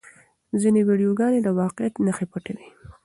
ځینې ویډیوګانې د واقعیت نښې پټوي.